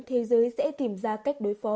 thế giới sẽ tìm ra cách đối phó